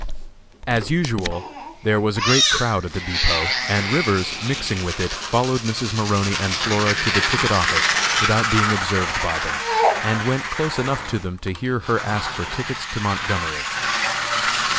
As usual, there was a great crowd at the depot, and Rivers, mixing with it, followed Mrs. Maroney and Flora to the ticket office without being observed by them, and went close enough to them to hear her ask for tickets to Montgomery.